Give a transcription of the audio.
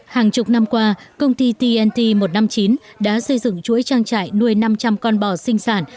hàng chục năm qua công ty tnt một trăm năm mươi chín đã xây dựng chuỗi trang trại nuôi năm trăm linh con bò sinh sản